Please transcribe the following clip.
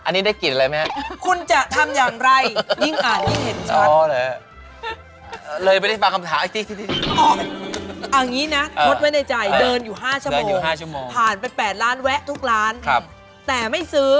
อันนี้ได้เกียรติอะไรไหมฮะ